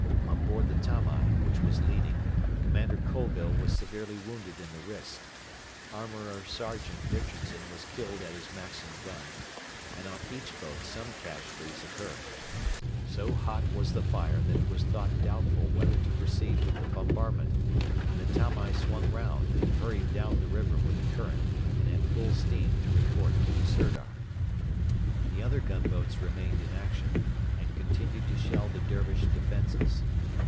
On board the Tamai, which was leading, Commander Colville was severely wounded in the wrist; Armourer Sergeant Richardson was killed at his Maxim gun, and on each boat some casualties occurred. So hot was the fire that it was thought doubtful whether to proceed with the bombardment, and the Tamai swung round, and hurried down the river with the current and at full steam to report to the Sirdar. The other gunboats remained in action, and continued to shell the Dervish defences.